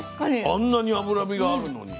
あんなに脂身があるのに。